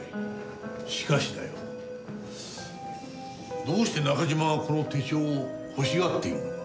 しかしだよどうして中島はこの手帳を欲しがっているのか？